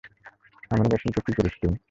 আমার মেশিনকে কী করেছ তুমি?